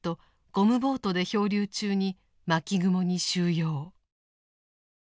ゴムボートで漂流中に「巻雲」に収容。